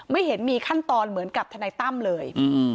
ไม่เห็นมีขั้นตอนเหมือนกับทนายตั้มเลย